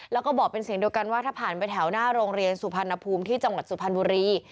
แล้วก็บอกเป็นเสียงเดียวกันว่าถ้าผ่านไปแถวหน้าโรงเรียนสุพรรณภูมิที่จังหวัดสุพรรณบุรี